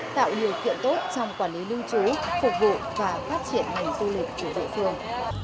tạo điều kiện tốt trong quản lý lưu trú phục vụ và phát triển ngành du lịch của địa phương